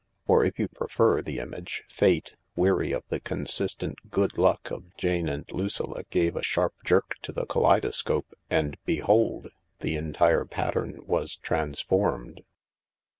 Or, if you prefer the image, Fate, weary of the consistent good luck of Jane and Lucilla, gave a sharp jerk to the kaleidoscope, and behold ! the entire pattern was transformed.